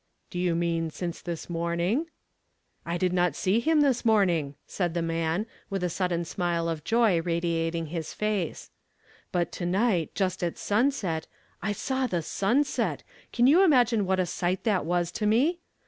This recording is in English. "Do you mean since this niorning?" "I did not see him this morning," said the man, with a sudden smile of joy radiating his face; " but to niglil, just at sunset, — I saw the sun set ! Can vou imagine what a sight that was to me?